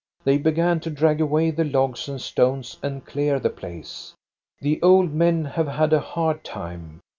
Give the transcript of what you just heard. They be gan to drag away the logs and stones and clear the place. The old men have had a hard time.